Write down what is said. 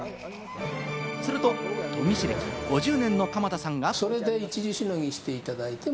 すると、研ぎ師歴５０年の鎌田さんが。